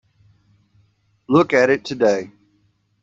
Look at it today.